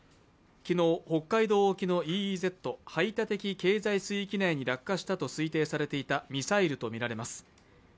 昨日、北海道沖のＥＥＺ＝排他的経済水域内に落下したと推定されていたミサイルとみられます。